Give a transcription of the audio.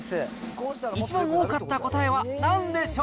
一番多かった答えはなんでしょう。